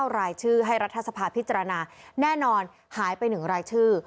รายชื่อให้รัฐสภาพิจารณาแน่นอนหายไป๑รายชื่อ